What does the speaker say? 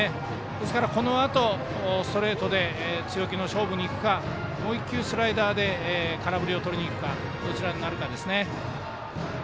ですから、このあとストレートで強気の勝負にいくかもう１球、スライダーで空振りをとりにいくかどちらかですね。